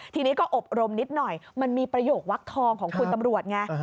ทีนี้ก็อบรมนิดหน่อยมันมีประโยควักทองของคุณตำรวจไง